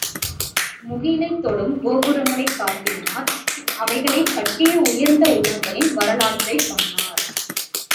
முகிலைத் தொடும் கோபுரங்களைக் காட்டினார் அவைகளைக் கட்டிய உயர்ந்த உள்ளங்களின் வரலாற்றைச் சொன்னார்.